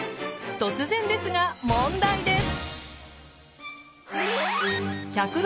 突然ですが問題です！